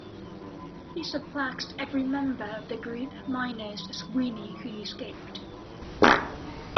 He suplexed every member of the group minus Sweeney who escaped.